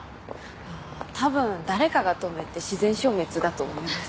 あたぶん誰かが止めて自然消滅だと思います。